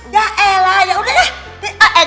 ya eh lah ya udah deh